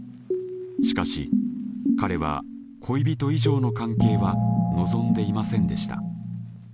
しかし彼は恋人以上の関係は望んでいませんでした。